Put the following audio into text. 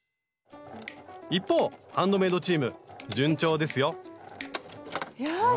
一方ハンドメイドチーム順調ですよよし！